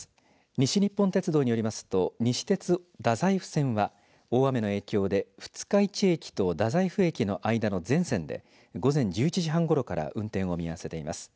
西日本鉄道によりますと西鉄太宰府線は大雨の影響で二日市駅と太宰府駅の間の全線で午前１１時半ごろから運転を見合わせています。